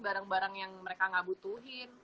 barang barang yang mereka nggak butuhin